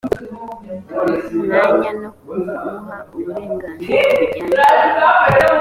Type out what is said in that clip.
mwanya no kumuha uburenganzira bujyanye